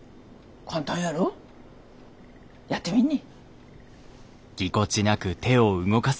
簡単やろ？やってみんね。